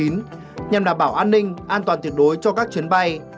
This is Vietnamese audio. nhằm đảm bảo an ninh an toàn tuyệt đối cho các chuyến bay